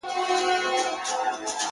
ناروغه دی اخ نه کوي زگيروی نه کوي,